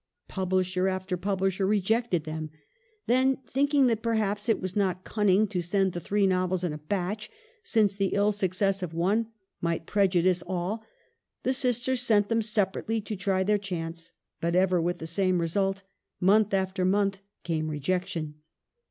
Publisher after pub lisher rejected them ; then, thinking that perhaps it was not cunning to send the three novels in a batch, since the ill success of one might prejudice all, the sisters sent them separately to try their chance. But ever with the same result — month after month, came rejection.